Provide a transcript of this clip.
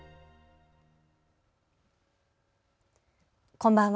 こんばんは。